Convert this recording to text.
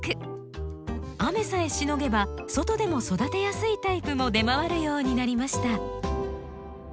雨さえしのげば外でも育てやすいタイプも出回るようになりました。